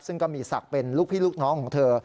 ซึ่งก็มีศักดิ์เป็นลูกพี่ลูกน้องของเธอ